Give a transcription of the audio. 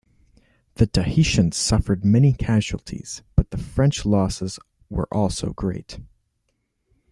The Tahitians suffered many casualties, but the French losses were also great.